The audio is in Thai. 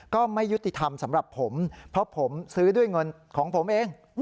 ก็ไม่ยุติธรรมสำหรับผมเพราะผมซื้อด้วยเงินของผมเอง